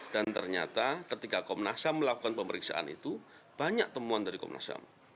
dan ternyata ketika komnas ham melakukan pemeriksaan itu banyak temuan dari komnas ham